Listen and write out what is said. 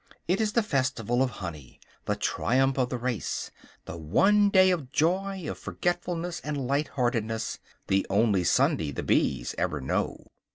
It is the festival of honey, the triumph of the race; the one day of joy, of forgetfulness and light heartedness, the only Sunday the bees ever know.